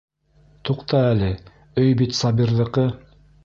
Туҡта әле, өй бит Сабирҙыҡы.